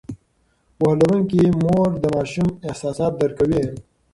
پوهه لرونکې مور د ماشوم احساسات درک کوي.